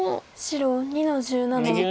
白２の十七ツケ。